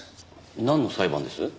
なんの裁判です？